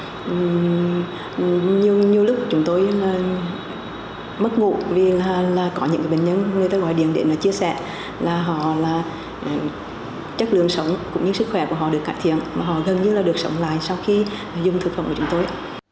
và nhiều lúc chúng tôi mất ngủ vì là có những bệnh nhân người ta gọi điện đến nó chia sẻ là họ là chất lượng sống cũng như sức khỏe của họ được cải thiện mà họ gần như là được sống lại sau khi dùng thực phẩm của chúng tôi